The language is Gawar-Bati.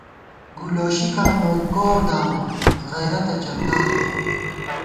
گُولوشِکاں نوکور دامون ، غیرَتہ چندا تھووون